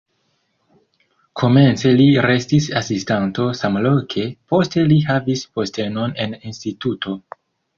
Komence li restis asistanto samloke, poste li havis postenon en instituto.